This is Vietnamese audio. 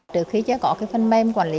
được khí cháy gõ phần mềm quản lý